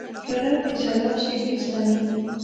پیاله د ژړا شېبې زغمي.